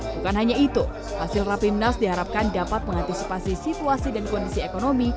bukan hanya itu hasil rapimnas diharapkan dapat mengantisipasi situasi dan kondisi ekonomi